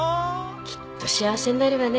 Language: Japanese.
きっと幸せになるわね